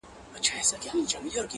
• او یواز اوسیږي په تیاره توره نړۍ کي -